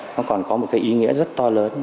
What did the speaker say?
nó còn có một cái ý nghĩa rất to lớn